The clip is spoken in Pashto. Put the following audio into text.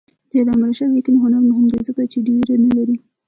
د علامه رشاد لیکنی هنر مهم دی ځکه چې ویره نه لري.